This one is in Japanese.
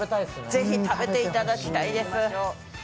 ぜひ食べでいただきたいです。